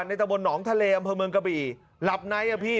ตะบนหนองทะเลอำเภอเมืองกะบี่หลับในอ่ะพี่